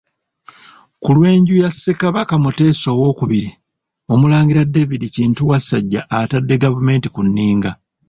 Ku lw’enju ya Ssekabaka Muteesa II, Omulangira David Kintu Wassajja atadde gavumenti ku nninga.